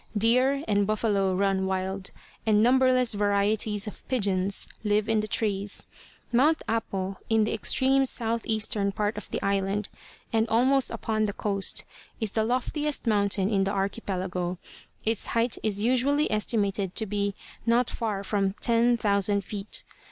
Deer and buffalo run wild, and numberless varieties of pigeons live in the trees. Mount Apo, in the extreme southeastern part of the island, and almost upon the coast, is the loftiest mountain in the archipelago. Its height is usually estimated to be not far from ten thousand feet.